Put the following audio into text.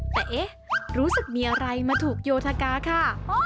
แต่เอ๊ะรู้สึกมีอะไรมาถูกโยธกาค่ะ